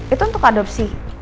itu untuk adopsi